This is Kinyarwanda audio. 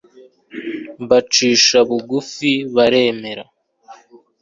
mbacisha bugufibaremera